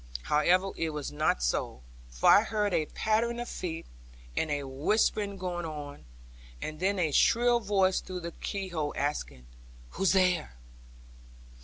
However it was not so, for I heard a pattering of feet and a whispering going on, and then a shrill voice through the keyhole, asking, 'Who's there?'